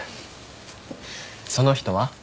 その人は？